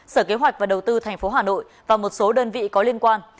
sở kế hoạch và đầu tư thành phố hà nội và một số đơn vị có liên quan